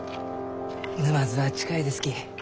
沼津は近いですき。